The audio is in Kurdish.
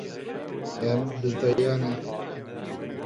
Em bizdiyane.